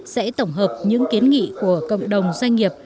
sẽ tổng hợp những kiến nghị của cộng đồng doanh nghiệp